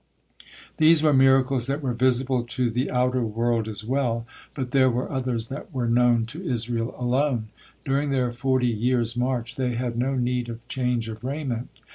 These were miracles that were visible to the outer world as well, but there were others that were known to Israel alone. During their forty years' march they had no need of change of raiment.